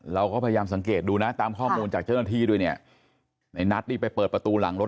เราก็พยายามสังเกตดูนะตามข้อมูลจากเจ้าหน้าที่ด้วยเนี่ยในนัทนี่ไปเปิดประตูหลังรถ